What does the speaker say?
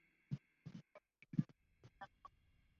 四川南溪人。